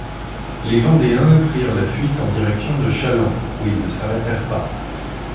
Les Vendéens prirent la fuite en direction de Challans où ils ne s'arrêtèrent pas.